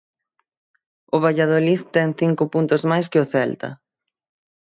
O Valladolid ten cinco puntos máis que o Celta.